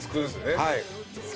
はい。